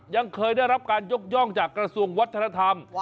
ยังเคยได้รับการยกย่องจากกระทรวงวัฒนธรรม